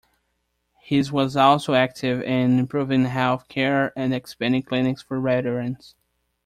He was also active in improving health care and expanding clinics for veterans.